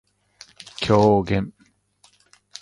狂言